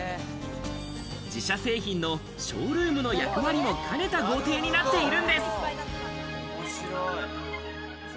自社製品のショールームの役割も兼ねた豪邸になっているんです。